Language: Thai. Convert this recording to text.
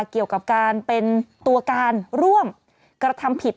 เกี่ยวกับการเป็นตัวการร่วมกระทำผิด